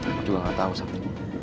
aku juga gak tau sakti